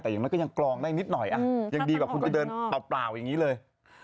แต่อย่างนั้นก็ยังกรองได้นิดหน่อยยังดีกว่าคุณจะเดินเปล่าอย่างนี้เลย